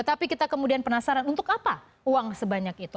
tapi kita kemudian penasaran untuk apa uang sebanyak itu